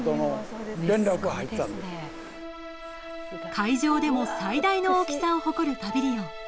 会場でも最大の大きさを誇るパビリオン。